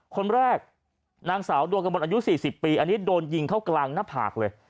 คนแรกนางสาวดวงกระบวนอายุ๔๐ปีอันนี้โดนยิงเข้ากลางหน้าผากเลย